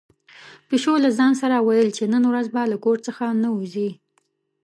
پيشو له ځان سره ویل چې نن ورځ به له کور څخه نه وځي.